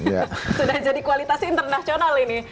sudah jadi kualitas internasional ini